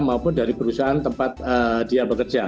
maupun dari perusahaan tempat dia bekerja